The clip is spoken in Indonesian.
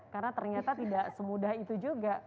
karena ternyata tidak semudah itu juga